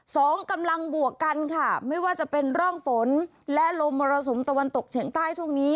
สองกำลังบวกกันค่ะไม่ว่าจะเป็นร่องฝนและลมมรสุมตะวันตกเฉียงใต้ช่วงนี้